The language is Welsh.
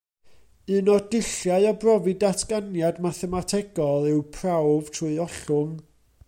Un o'r dulliau o brofi datganiad mathemategol yw prawf trwy ollwng.